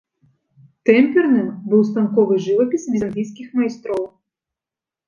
Тэмперным быў станковы жывапіс візантыйскіх майстроў.